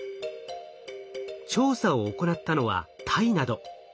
調査を行ったのはタイなど。